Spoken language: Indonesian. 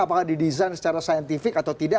apakah didesain secara saintifik atau tidak